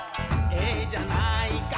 「ええじゃないか」